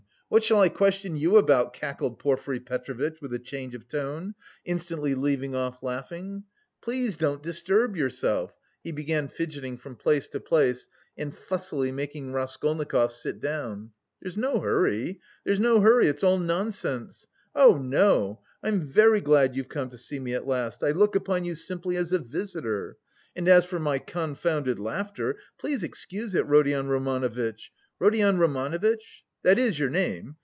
What shall I question you about?" cackled Porfiry Petrovitch with a change of tone, instantly leaving off laughing. "Please don't disturb yourself," he began fidgeting from place to place and fussily making Raskolnikov sit down. "There's no hurry, there's no hurry, it's all nonsense. Oh, no, I'm very glad you've come to see me at last... I look upon you simply as a visitor. And as for my confounded laughter, please excuse it, Rodion Romanovitch. Rodion Romanovitch? That is your name?...